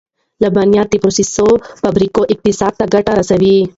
د لبنیاتو د پروسس فابریکې اقتصاد ته ګټه رسوي.